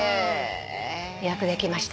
予約できました。